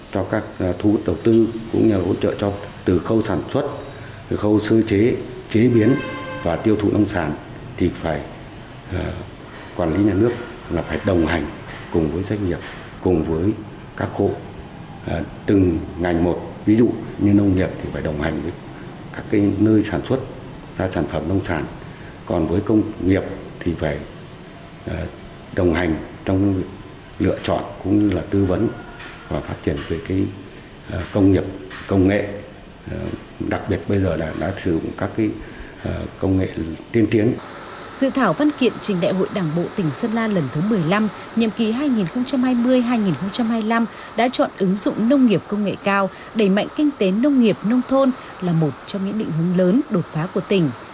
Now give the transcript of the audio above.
thì mạnh kinh tế nông nghiệp nông thôn là một trong những định hướng lớn đột phá của tỉnh